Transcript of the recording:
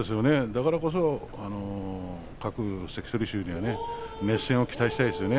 だからこそ各関取衆に熱戦を期待したいですね。